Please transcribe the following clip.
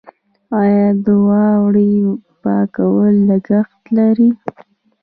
آیا د واورې پاکول لګښت نلري؟